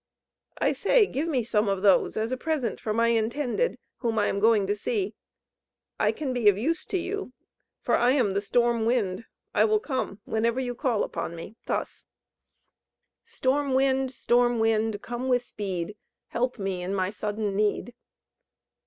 "I say, give me some of those as a present for my intended, whom I am going to see. I can be of use to you, for I am the Storm wind. I will come, whenever you call upon me thus: 'Storm wind! Storm wind! come with speed! Help me in my sudden need!'"